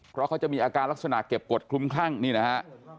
เพราะเขาจะมีอาการลักษณะเก็บกฎคลุมคลั่งนี่นะฮะ